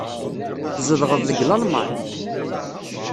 Tzedɣeḍ deg Lalman?